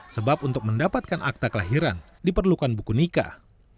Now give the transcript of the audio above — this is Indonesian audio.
sebab untuk mendapatkan akta kelahiran diperlukan buku nikah